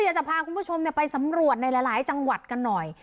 อยากจะพาคุณผู้ชมไปสำรวจในหลายจังหวัดกันหน่อย